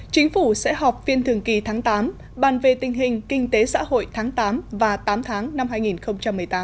chính phủ sẽ họp phiên thường kỳ tháng tám bàn về tình hình kinh tế xã hội tháng tám và tám tháng năm hai nghìn một mươi tám